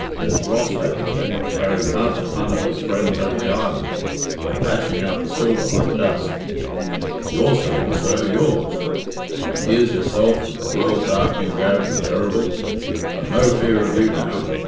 There's Ross back again, carrying half a ton of his friends over the island, and lashing out the silver like dust. Your silver, sir, yours. And here's yourself, with the world darkening round you terrible. But no fear of you now.